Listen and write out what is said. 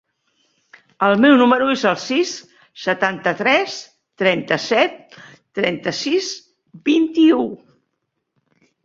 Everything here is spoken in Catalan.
El meu número es el sis, setanta-tres, trenta-set, trenta-sis, vint-i-u.